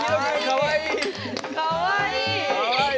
かわいい。